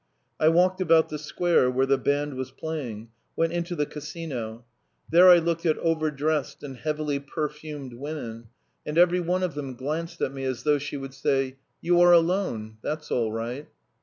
I walked about the square where the band was playing, went into the Casino; there I looked at overdressed and heavily perfumed women, and every one of them glanced at me as though she would say: "You are alone; that's all right."